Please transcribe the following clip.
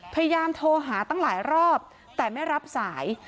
พยายามโทรหาตั้งหลายรอบแต่ไม่รับสาย